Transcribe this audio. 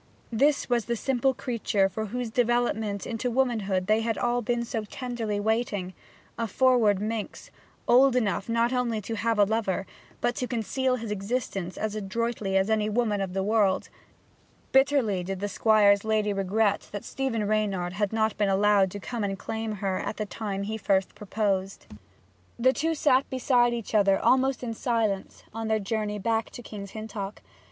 This was the simple creature for whose development into womanhood they had all been so tenderly waiting a forward minx, old enough not only to have a lover, but to conceal his existence as adroitly as any woman of the world! Bitterly did the Squire's lady regret that Stephen Reynard had not been allowed to come to claim her at the time he first proposed. The two sat beside each other almost in silence on their journey back to King's Hintock.